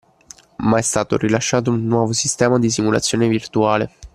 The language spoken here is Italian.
Ma è stato rilasciato un nuovo sistema di simulazione virtuale.